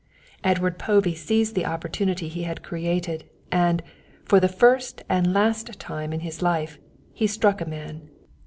Edward Povey seized the opportunity he had created, and, for the first and last time in his life, he struck a man.